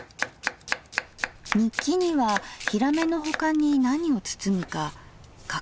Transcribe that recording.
日記にはひらめの他に何を包むか書かれていない。